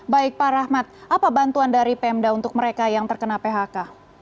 baik pak rahmat apa bantuan dari pemda untuk mereka yang terkena phk